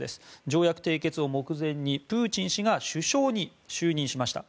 条約締結を目前にプーチン氏が首相に就任しました。